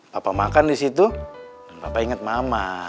papa makan disitu papa inget mama